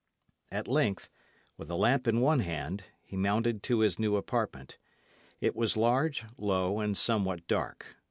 At length, with a lamp in one hand, he mounted to his new apartment. It was large, low, and somewhat dark.